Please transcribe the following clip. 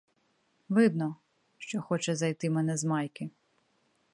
Видно, що хоче зайти мене з майки.